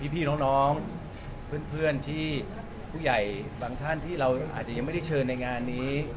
พี่น้องเพื่อนที่ผู้ใหญ่บางท่านที่เราอาจจะยังไม่ได้เชิญในงานนี้